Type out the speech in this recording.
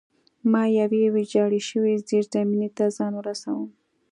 ما یوې ویجاړې شوې زیرزمینۍ ته ځان ورساوه